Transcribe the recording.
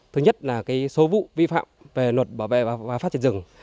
thứ nhất là số vụ vi phạm về luật bảo vệ và phát triển rừng